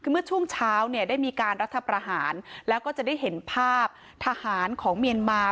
คือเมื่อช่วงเช้าเนี่ยได้มีการรัฐประหารแล้วก็จะได้เห็นภาพทหารของเมียนมา